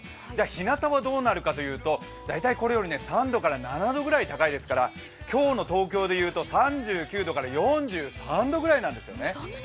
ひなたはどうなるかというと、これより３度から７度ぐらい高いですから今日の東京でいうと、３９度から４３度ぐらいなんですよね。